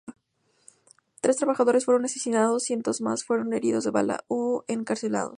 Tres trabajadores fueron asesinados, cientos más fueron heridos de bala o encarcelados.